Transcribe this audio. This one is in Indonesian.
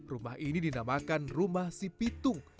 rumah ini dinamakan rumah si pitung